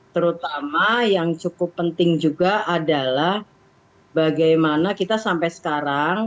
terutama yang cukup penting juga adalah bagaimana kita sampai sekarang